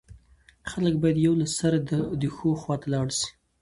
خلک بايد يو له له سره د ښو خوا ته ولاړ سي